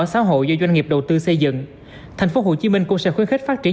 xã hội do doanh nghiệp đầu tư xây dựng thành phố hồ chí minh cũng sẽ khuyến khích phát triển